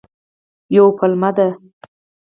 یوه پلمه ده.